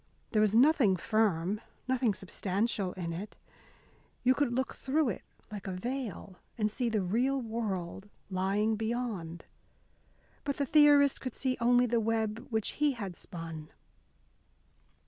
There was nothing firm, nothing substantial in it. You could look through it like a veil and see the real world lying beyond. But the theorist could see only the web which he had spun.